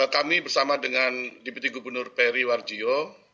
kami bersama dengan dpt gubernur peri warjio